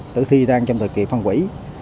tử thi đang trong thời kỳ phân quỷ